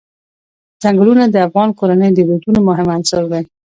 ځنګلونه د افغان کورنیو د دودونو مهم عنصر دی.